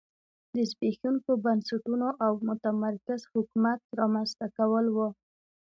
د زبېښونکو بنسټونو او متمرکز حکومت رامنځته کول و